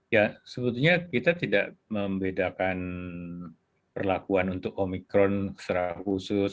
ya sebetulnya kita tidak membedakan perlakuan untuk omikron secara khusus atau untuk delta secara khusus